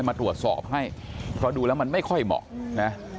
มาตรวจสอบให้เพราะดูแล้วมันไม่ค่อยเหมาะนะ